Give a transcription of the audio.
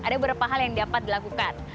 ada beberapa hal yang dapat dilakukan